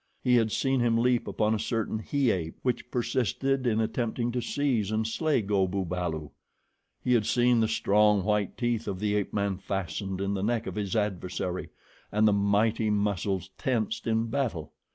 He had seen him leap upon a certain he ape which persisted in attempting to seize and slay Go bu balu. He had seen the strong, white teeth of the ape man fastened in the neck of his adversary, and the mighty muscles tensed in battle.